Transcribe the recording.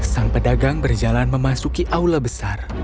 sang pedagang berjalan memasuki aula besar